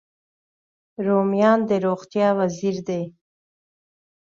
رومیان د روغتیا وزیر دی